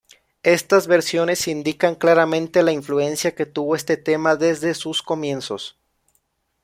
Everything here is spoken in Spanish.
Estas versiones indican claramente la influencia que tuvo este tema desde sus comienzos.